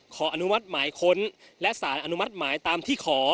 ขออนุมัติหมายค้นและสารอนุมัติหมายตามที่ขอ